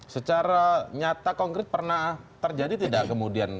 secara nyata konkret pernah terjadi tidak kemudian